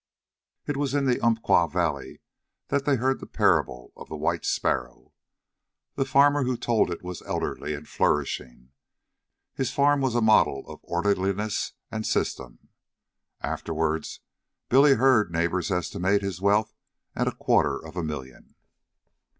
It was in the Umpqua Valley that they heard the parable of the white sparrow. The farmer who told it was elderly and flourishing. His farm was a model of orderliness and system. Afterwards, Billy heard neighbors estimate his wealth at a quarter of a million.